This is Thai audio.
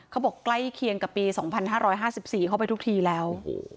ใกล้เคียงกับปี๒๕๕๔เข้าไปทุกทีแล้ว